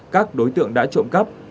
các đối tượng đã trộm cắp